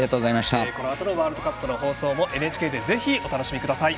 このあとのワールドカップの放送も ＮＨＫ で、ぜひお楽しみください。